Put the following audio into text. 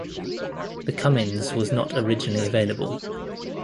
The Cummins was not originally available.